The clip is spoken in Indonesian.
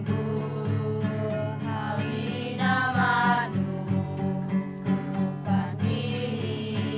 bahwa mereka bisa menghargai mereka sendiri